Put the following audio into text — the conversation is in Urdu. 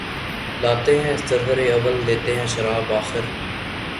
لاتے ہیں سرور اول دیتے ہیں شراب آخر